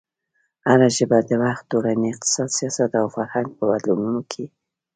هره ژبه د وخت، ټولنې، اقتصاد، سیاست او فرهنګ په بدلونونو کې